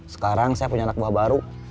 sekarang saya punya anak buah baru